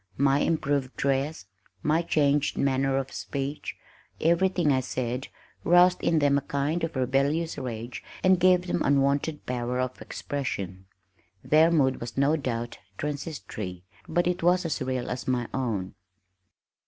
My improved dress, my changed manner of speech, everything I said, roused in them a kind of rebellious rage and gave them unwonted power of expression. Their mood was no doubt transitory, but it was as real as my own.